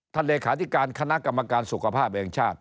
เลขาธิการคณะกรรมการสุขภาพแห่งชาติ